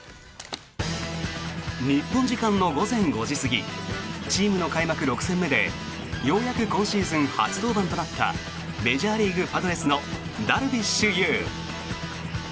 日本時間の午前５時過ぎチームの開幕６戦目でようやく今シーズン初登板となったメジャーリーグ、パドレスのダルビッシュ有。